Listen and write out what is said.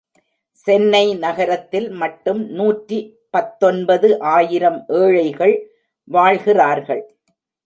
சென்னை நகரத்தில் மட்டும் நூற்றி பத்தொன்பது ஆயிரம் ஏழைகள் வாழ்கிறார்கள்.